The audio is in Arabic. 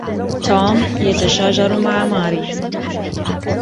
توم يتشاجر مع ماري.